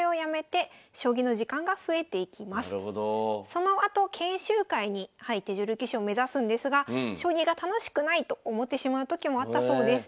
そのあと研修会に入って女流棋士を目指すんですが将棋が楽しくないと思ってしまう時もあったそうです。